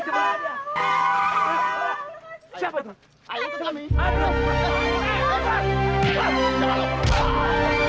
raka kamu bangun raka